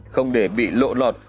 không để bị lộ lọt